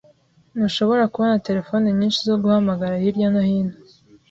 Ntushobora kubona terefone nyinshi zo guhamagara hirya no hino.